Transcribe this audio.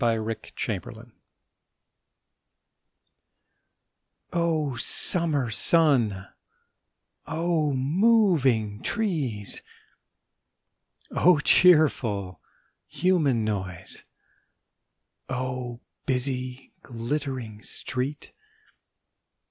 CRIPPS. O Summer sun, O moving trees! O cheerful human noise, O busy glittering street!